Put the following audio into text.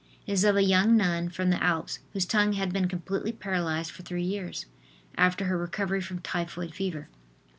It is of a young nun from the Alps whose tongue had been completely paralyzed for three years, after her recovery from typhoid fever.